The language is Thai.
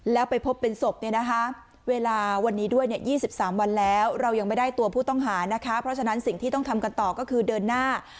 แล้วไปพบเป็นศพเนี่ยนะคะเวลาวันนี้ด้วย๒๓วันแล้วเรายังไม่ได้ตัวผู้ต้องหานะคะเพราะฉะนั้นสิ่งที่ต้องทำกันต่อก็คือเดินหน้า